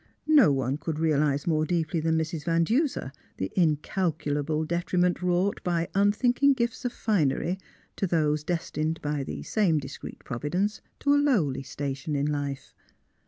No one could realise more deeply than Mrs. Van Duser the in calculable detriment wrought by unthinking gifts of finery to those destined by the same discreet Providence to a lowly station in life.